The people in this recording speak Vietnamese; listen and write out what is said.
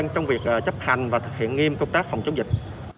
trong việc chấp hành và thực hiện nghiêm công tác phòng chống dịch